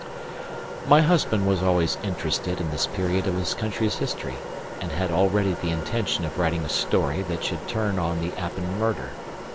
My husband was always interested in this period of his country's history, and had already the intention of writing a story that should turn on the Appin murder.